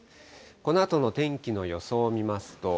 このあとの天気の予想を見ますと。